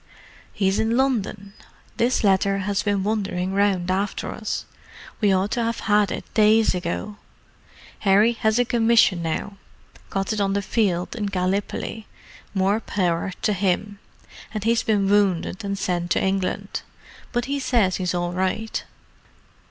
"He's in London—this letter has been wandering round after us. We ought to have had it days ago. Harry has a commission now—got it on the field, in Gallipoli, more power to him: and he's been wounded and sent to England. But he says he's all right."